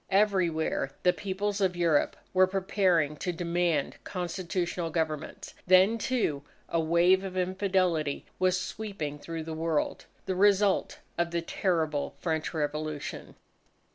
Everywhere the Peoples of Europe were preparing to demand constitutional governments. Then, too, a wave of infidelity was sweeping through the world, the result of the terrible French Revolution.